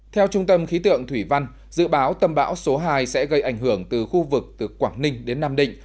theo trung tâm khí tượng thủy văn dự báo tâm bão số hai sẽ gây ảnh hưởng từ khu vực từ quảng ninh đến nam định